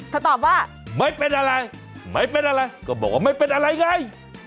ตอบว่าไม่เป็นอะไรไม่เป็นอะไรก็บอกว่าไม่เป็นอะไรไง